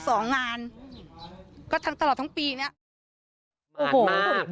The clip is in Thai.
สองงานก็ตลอดทั้งปีนี้